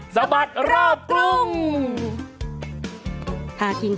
สมัครรอบกลุ่ม